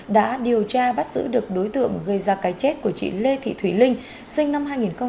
đã điều tra bắt giữ được đối tượng gây ra cái chết của chị lê thị thủy linh sinh năm hai nghìn ba